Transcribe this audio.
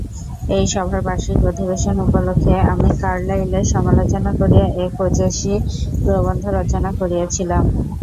এই সভার বার্ষিক অধিবেশন উপলক্ষ্যে আমি কার্লাইলের সমালোচনা করিয়া এক ওজস্বী প্রবন্ধ রচনা করিয়াছিলাম।